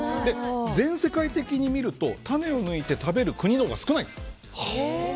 全世界的に見ると種を抜いて食べる国のほうが少ないんです。